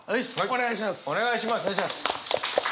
お願いします。